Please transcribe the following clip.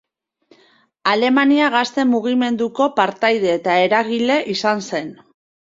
Alemania Gazte mugimenduko partaide eta eragile izan zen.